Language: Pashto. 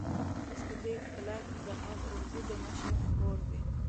اوس په دې کلا کې د قول اردو د مشر کور دی.